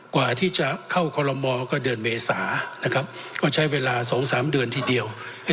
กว่าที่จะเข้าคอลโลมอก็เดือนเมษานะครับก็ใช้เวลา๒๓เดือนทีเดียว